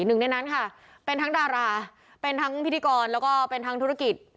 หนึ่งในนั้นค่ะเป็นทั้งดาราเป็นทั้งพิธีกรแล้วก็เป็นทั้งธุรกิจ